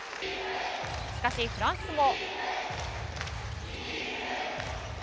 しかしフランスも。